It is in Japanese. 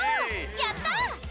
やった！